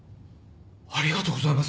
ありがとうございます。